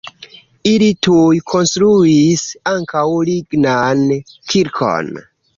Ili tuj konstruis ankaŭ lignan kirkon.